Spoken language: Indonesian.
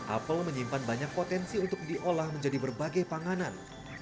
apel menyimpan banyak potensi untuk diolah menjadi berbagai panganan